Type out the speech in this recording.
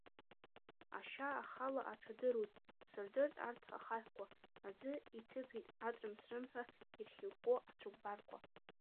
Ашьа ахала аҽадыруеит, сырдырт арҭ ахаҳәқәа, аӡы иҭыԥеит атрым-срымҳәа, ирхьыкәкәо ацәыкәбарқәа.